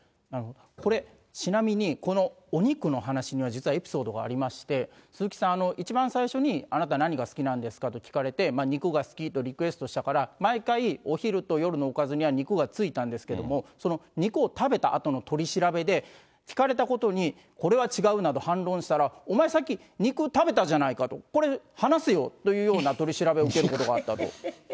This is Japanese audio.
これ、ちなみにこのお肉の話には、実はエピソードがありまして、鈴木さん、一番最初にあなた何が好きなんですか？と聞かれて、肉が好きとリクエストしたから、毎回、お昼と夜のおかずには肉がついたんですけれども、その肉を食べたあとの取り調べで、聞かれたことにこれは違うなど反論したら、お前さっき、肉食べたじゃないかと、これ、話せよというような取り調べを受けることがあったと。